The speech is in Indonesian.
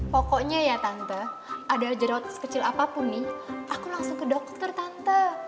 pokoknya ya tante ada jerawat sekecil apapun nih aku langsung ke dokter tante